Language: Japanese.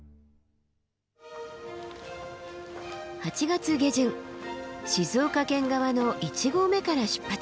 ８月下旬静岡県側の１合目から出発。